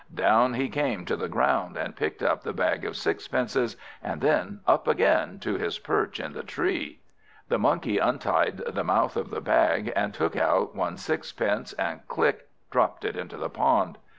Down he came to the ground, and picked up the bag of sixpences, and then up again to his perch in the tree. The Monkey untied the mouth of the bag, and took out one sixpence, and, click! dropped it into the pond.